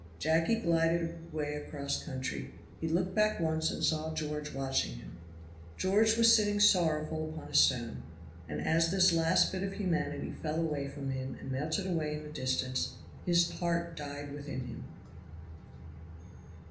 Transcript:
Jacky glided away across country. He looked back once and saw George watching him. George was sitting sorrowful upon a stone, and as this last bit of humanity fell away from him and melted away in the distance his heart died within him.